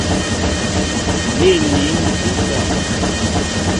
Yé líŋ jíta.